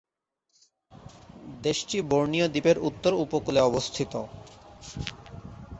দেশটি বোর্নিও দ্বীপের উত্তর উপকূলে অবস্থিত।